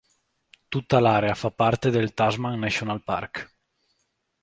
Tutta l'area fa parte del "Tasman National Park".